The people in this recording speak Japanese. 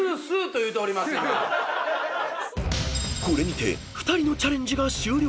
［これにて２人のチャレンジが終了］